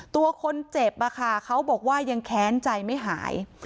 ตัวคนเจ็บเขาบอกว่ายังแค้นใจไม่หาย